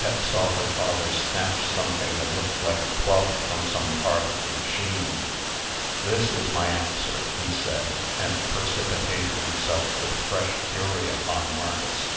Pet saw her father snatch something that looked like a club, from some part of the machine. "This is my answer," he said, and precipitated himself with fresh fury upon Marcus.